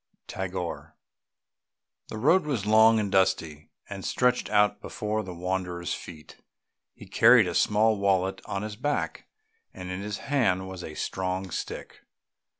TAGORE. The road was long and dusty, and stretched out before the wanderer's feet. He carried a small wallet on his back, and in his hand was a strong stick.